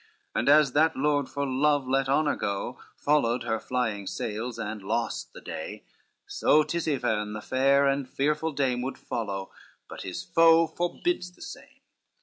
And as that lord for love let honor go, Followed her flying sails and lost the day: So Tisipherne the fair and fearful dame Would follow, but his foe forbids the same.